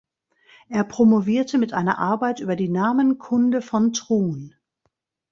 Er promovierte mit einer Arbeit über die Namenkunde von Trun.